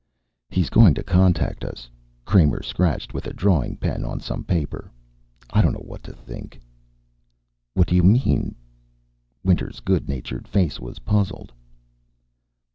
"He's going to contact us." Kramer scratched with a drawing pen on some paper. "I don't know what to think." "What do you mean?" Winter's good natured face was puzzled.